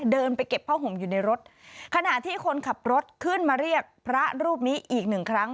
เดินไปเก็บผ้าห่มอยู่ในรถขณะที่คนขับรถขึ้นมาเรียกพระรูปนี้อีกหนึ่งครั้ง